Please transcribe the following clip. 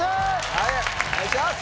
はいお願いします